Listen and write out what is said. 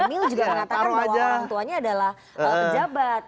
emil juga mengatakan bahwa orang tuanya adalah pejabat